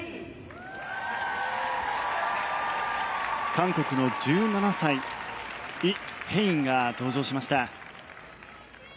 韓国の１７歳、イ・ヘインが登場しました。